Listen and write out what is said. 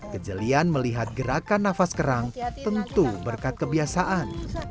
kejelian melihat gerakan nafas kerang tentu berkat kebiasaan